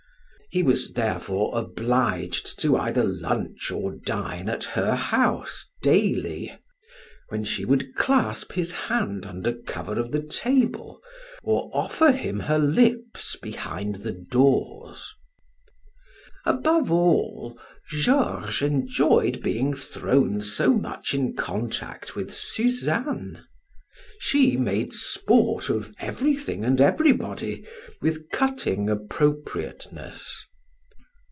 He was therefore obliged to either lunch or dine at her house daily, when she would clasp his hand under cover of the table or offer him her lips behind the doors. Above all, Georges enjoyed being thrown so much in contact with Suzanne; she made sport of everything and everybody with cutting appropriateness.